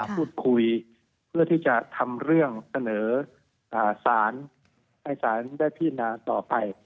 เพื่อที่จะทำเรื่องเสนอสารให้สารได้พินาต่อไป